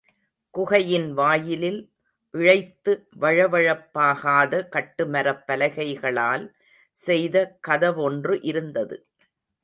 குகையின் வாயிலில் இழைத்து வழவழப்பாகாத காட்டு மரப்பலகைகளால் செய்த கதவொன்று இருந்தது.